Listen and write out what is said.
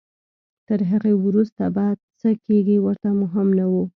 تر هغې وروسته به څه کېږي ورته مهم نه وو.